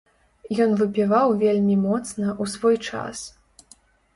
Ён выпіваў вельмі моцна ў свой час.